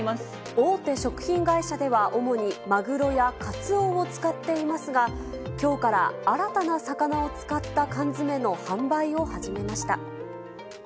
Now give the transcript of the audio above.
大手食品会社では主にマグロやカツオを使っていますが、きょうから新たな魚を使った缶詰の販売を始めました。